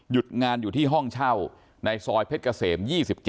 งานอยู่ที่ห้องเช่าในซอยเพชรเกษม๒๗